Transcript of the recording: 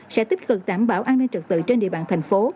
sẽ tích cực đảm bảo an ninh trật tự trên địa bàn thành phố